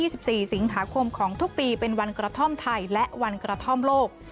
สิบสี่สิงหาคมของทุกปีเป็นวันกระท่อมไทยและวันกระท่อมโลก